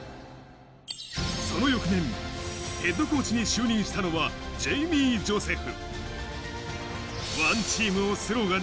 その翌年、ＨＣに就任したのはジェイミー・ジョセフ。